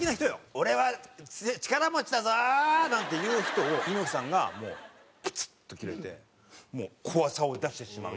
俺は力持ちだぞ！なんていう人を猪木さんがもうプチッとキレてもう怖さを出してしまう。